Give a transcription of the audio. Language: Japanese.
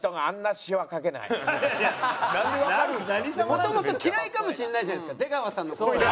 もともと嫌いかもしれないじゃないですか出川さんの事が。